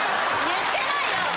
言ってない！